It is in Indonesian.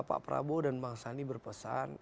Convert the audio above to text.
pak prabowo dan bang sandi berpesan